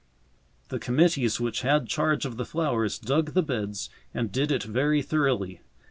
The committees which had charge of the flowers dug the beds and did it very thoroughly.